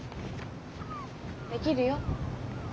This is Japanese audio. できるよ。